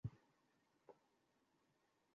এবং আপনার কোন আদেশ আমি অমান্য করব না।